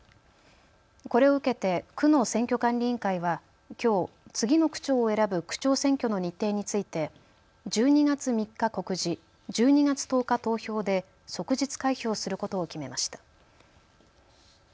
これを受けて区の選挙管理委員会はきょう次の区長を選ぶ区長選挙の日程について１２月３日告示、１２月１０日投票で即日開票することを決めました。